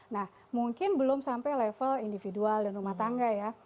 nah mungkin belum sampai level individual dan rumah tangga ya